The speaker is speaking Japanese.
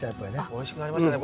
おいしくなりましたね。